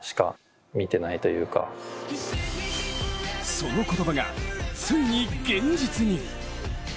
その言葉が、ついに現実に。